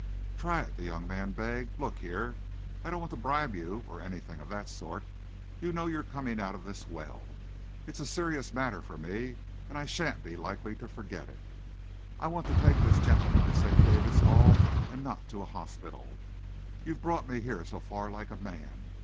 "Try it," the young man begged. "Look here, I don't want to bribe you, or anything of that sort. You know you're coming out of this well. It's a serious matter for me, and I shan't be likely to forget it. I want to take this gentleman to St. David's Hall and not to a hospital. You've brought me here so far like a man.